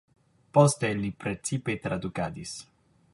Poste li precipe tradukadis.